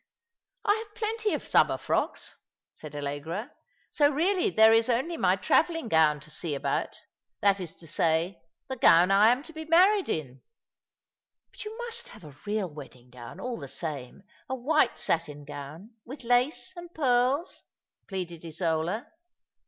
"I have plenty of summer frocks," said Allegra. "So really there is only my travelling gown to see about, that is to say, the gown I am to be married in." " But you must have a real wedding gown, all the same, a white satin gown, [with lace and pearls," pleaded Isola.